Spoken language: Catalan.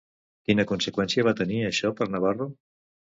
Quina conseqüència va tenir això per Navarro?